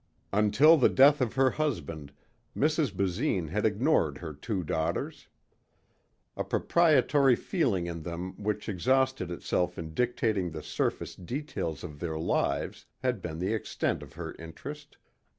Until the death of her husband Mrs. Basine had ignored her two daughters. A proprietory feeling in them which exhausted itself in dictating the surface details of their lives had been the extent of her interest.